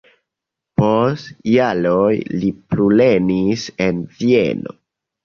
Post jaroj li plulernis en Vieno.